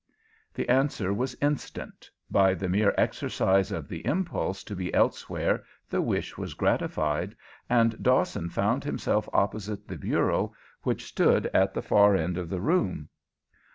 The answer was instant. By the mere exercise of the impulse to be elsewhere the wish was gratified, and Dawson found himself opposite the bureau which stood at the far end of the room.